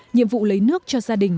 nhiệm vụ lấy nước cho gia đình